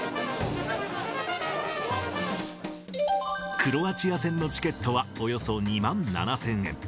クロアチア戦のチケットはおよそ２万７０００円。